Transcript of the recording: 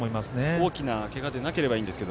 大きなけがでなければいいんですが。